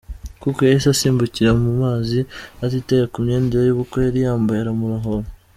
Cook yahise asimbukira mu mazi atitaye ku myenda y’ ubukwe yari yambaye aramurohora.